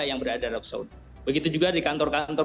yang berada di arab saudi begitu juga di kantor kantor